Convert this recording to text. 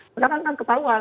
sekarang kan ketahuan